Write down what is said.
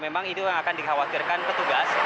memang itu yang akan dikhawatirkan petugas